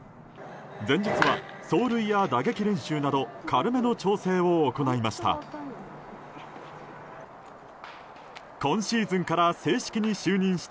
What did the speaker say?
前日は走塁や打撃練習など軽めの調整を行いました。